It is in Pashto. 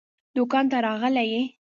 دوکان ته راغلی يې؟